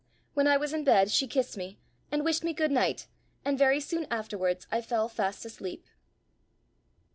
When I was in bed she kissed me, and wished me good night, and very soon afterwards I fell fast asleep.